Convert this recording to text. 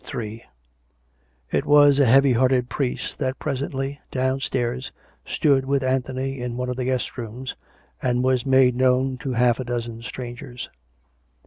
Ill It was a heavy hearted priest that presently, downstairs, stood with Anthony in one of the guest rooms, and was made known to half a dozen strangers.